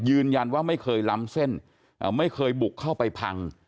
ยืนยันว่าไม่เคยล้ำเส้นไม่เคยบุกเข้าไปพัง